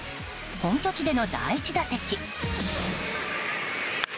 本拠地での第１打席。